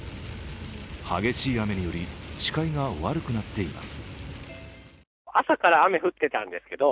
激しい雨により視界が悪くなっています。